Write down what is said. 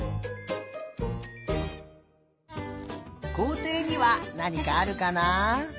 こうていにはなにかあるかな？